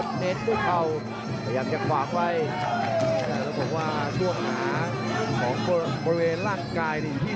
ได้เป็นด้วยเข้าพยายามจะปล่องไว้